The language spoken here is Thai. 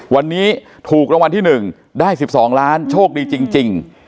วันนี้ถูกรางวัลที่๑ได้๑๒ล้านโชคดีจริง